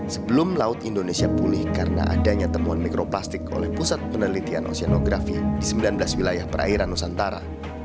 sebelum laut indonesia pulih karena adanya temuan mikroplastik oleh pusat penelitian oseanografi di sembilan belas wilayah perairan nusantara